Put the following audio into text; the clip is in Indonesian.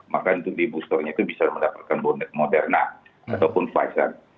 maka untuk di boosternya itu bisa mendapatkan moderna ataupun pfizer